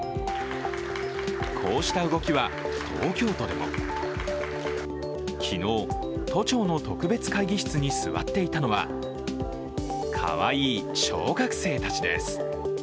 こうした動きは東京都でも昨日、都庁の特別会議室に座っていたのはかわいい小学生たちです。